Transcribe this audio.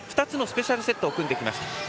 ２つ目のスペシャルセットを組んできました。